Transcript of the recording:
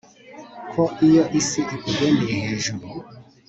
ko iyo isi ikugendeye hejuru